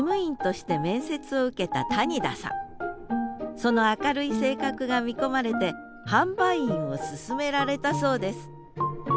その明るい性格が見込まれて販売員を勧められたそうです